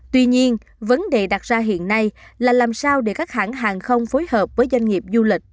tuy nhiên vấn đề đặt ra hiện nay là làm sao để các hãng hàng không phối hợp với doanh nghiệp du lịch